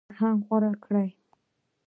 فرهنګ غوره کوي.